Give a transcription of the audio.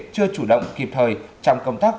chưa chủ động kịp thời trong công tác